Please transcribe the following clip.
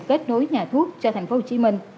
kết nối nhà thuốc cho tp hcm